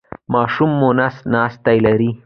ماشوم مو نس ناستی لري؟